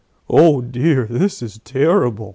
Oh dear! This is terrible!"